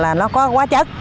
là nó có hóa chất